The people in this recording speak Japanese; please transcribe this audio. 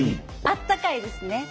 あったかいですね。